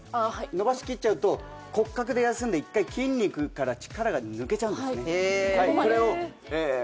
伸ばしきっちゃうと骨格で休んで１回筋肉から力が抜けちゃうんですね